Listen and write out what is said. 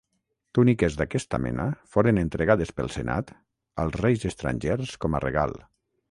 Túniques d'aquesta mena foren entregades pel senat als reis estrangers com a regal.